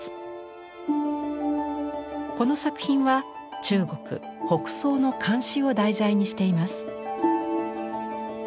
この作品は中国北宋の漢詩を題材にしています。